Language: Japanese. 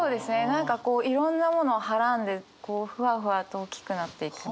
何かいろんなものをはらんでふわふわと大きくなっていくみたいな。